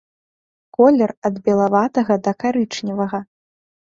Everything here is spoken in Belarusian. Колер ад белаватага да карычневага.